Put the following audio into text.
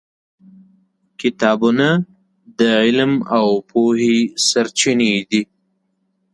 کتابونه د علم او پوهې سرچینې دي.